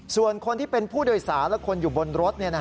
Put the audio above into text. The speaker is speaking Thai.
ส่วนคนที่เป็นผู้โดยสารและคนอยู่บนรถ